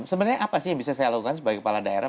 sebenarnya apa sih yang bisa saya lakukan sebagai kepala daerah